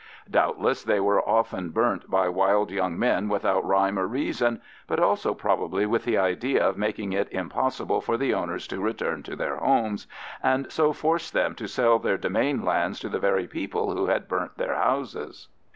Doubtless they were often burnt by wild young men without rhyme or reason, but also probably with the idea of making it impossible for the owners to return to their homes, and so force them to sell their demesne lands to the very people who had burnt their houses.